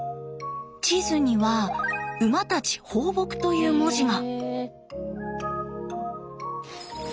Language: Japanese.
地図には「馬たち放牧」という文字が。